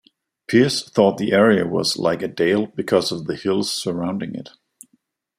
Pierce thought the area was like a dale because of the hills surrounding it.